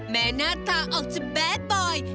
แม้หน้าตาออกจะแบบบอย